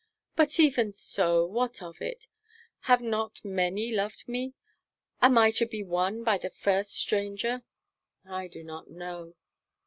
"But even so, what of it? Have not many loved me? Am I to be won by the first stranger?" "I do not know."